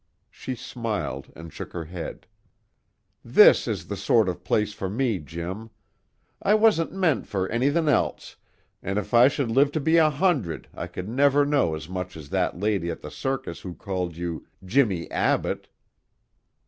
She smiled and shook her head. "This is the sort of place for me, Jim. I wasn't meant for anythin' else, an' if I should live to be a hundred I could never know as much as that lady at the circus who called you 'Jimmie Abbott.'"